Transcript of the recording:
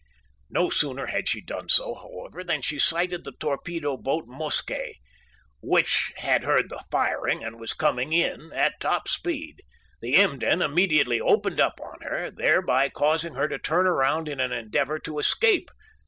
No sooner had she done so, however, than she sighted the torpedo boat Mosquet, which had heard the firing and was coming in at top speed. The Emden immediately opened up on her, thereby causing her to turn around in an endeavor to escape.